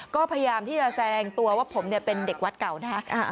ก็พยายามที่จะแสดงตัวว่าผมเป็นเด็กวัดเก่านะฮะ